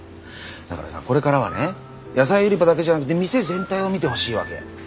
だからさこれからはね野菜売り場だけじゃなくて店全体を見てほしいわけ。